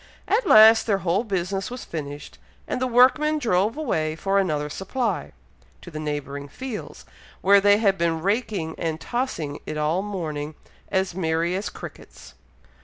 At last their whole business was finished, and the workmen drove away for another supply, to the neighbouring fields, where they had been raking and tossing it all morning, as merry as crickets.